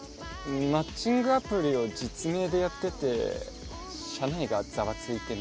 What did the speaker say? マッチングアプリを実名でやってて社内がざわついてます。